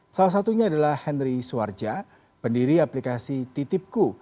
salah satunya adalah henry suwarja pendiri aplikasi titipku